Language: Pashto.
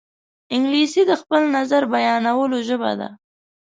انګلیسي د خپل نظر بیانولو ژبه ده